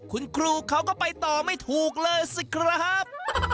คุณครูเขาก็ไปต่อไม่ถูกเลยสิครับ